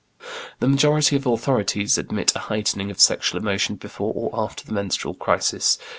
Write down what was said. The majority of authorities admit a heightening of sexual emotion before or after the menstrual crisis.